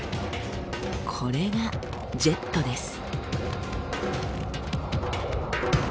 これがジェットです。